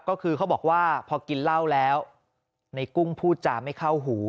ก็คือเขาบอกว่าพอกินเหล้าแล้วในกุ้งพูดจาไม่เข้าหู